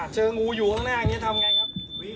เจองูอยู่ข้างหน้าอย่างนี้ทำไงครับ